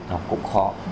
học cũng khó